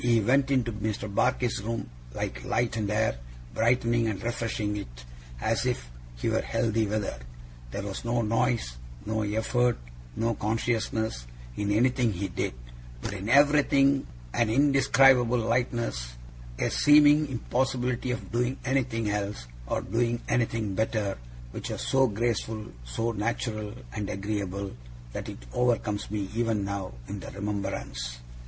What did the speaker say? He went into Mr. Barkis's room like light and air, brightening and refreshing it as if he were healthy weather. There was no noise, no effort, no consciousness, in anything he did; but in everything an indescribable lightness, a seeming impossibility of doing anything else, or doing anything better, which was so graceful, so natural, and agreeable, that it overcomes me, even now, in the remembrance.